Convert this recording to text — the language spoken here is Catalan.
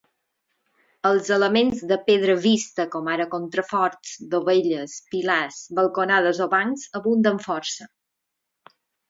Els elements de pedra vista com ara contraforts, dovelles, pilars, balconades o bancs abunden força.